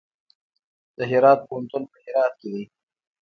د هرات پوهنتون په هرات کې دی